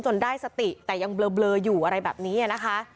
ได้สติแต่ยังเบลออยู่อะไรแบบนี้นะคะ